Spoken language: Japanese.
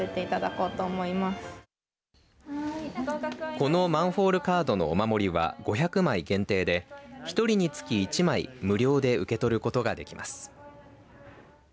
このマンホールカードのお守りは５００枚限定で、１人につき１枚無料で受け取ることができます。